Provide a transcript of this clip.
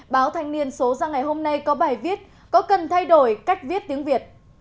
báo thanh niên số ra ngày hôm nay có bài viết có cần thay đổi cách viết tiếng việt